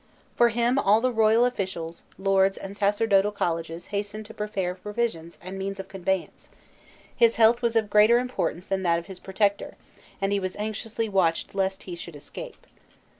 For him all the royal officials, lords, and sacerdotal colleges hastened to prepare provisions and means of conveyance; his health was of greater importance than that of his protector, and he was anxiously watched lest he should escape.